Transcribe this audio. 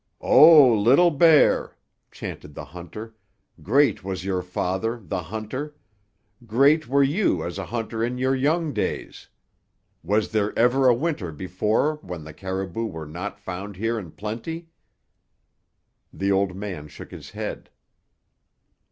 "Oh, Little Bear," chanted the hunter, "great was your father, the hunter; great were you as a hunter in your young days. Was there ever a Winter before when the caribou were not found here in plenty?" The old man shook his head.